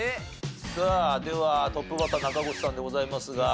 さあではトップバッター中越さんでございますが。